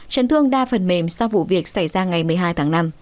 chấn thương đa phần mềm sau vụ việc xảy ra ngày một mươi hai tháng năm